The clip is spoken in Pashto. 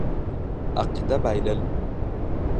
عقیده بایلل.